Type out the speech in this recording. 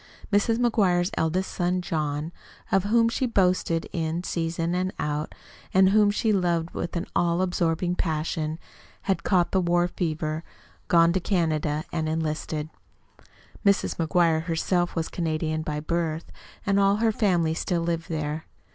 Mrs. McGuire's eldest son John of whom she boasted in season and out and whom she loved with an all absorbing passion had caught the war fever, gone to Canada, and enlisted. Mrs. McGuire herself was a Canadian by birth, and all her family still lived there.